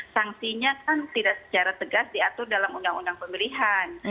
sanksinya kan tidak secara tegas diatur dalam undang undang pemilihan